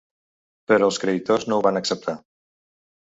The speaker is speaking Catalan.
Però els creditors no ho van acceptar.